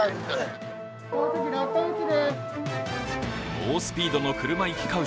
猛スピードの車行き交う